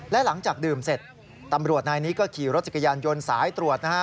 และหลังจากดื่มเสร็จตำรวจนายนี้ก็ขี่รถจักรยานยนต์สายตรวจนะฮะ